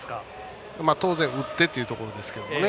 当然、打ってというところですけどね。